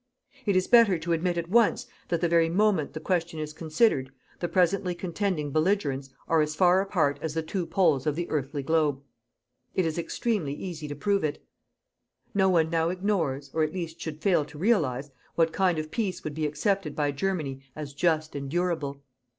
It is better to admit at once that the very moment the question is considered, the presently contending belligerents are as far apart as the two poles of the earthly globe. It is extremely easy to prove it. No one now ignores or at least should fail to realize what kind of peace would be accepted by Germany as JUST AND DURABLE.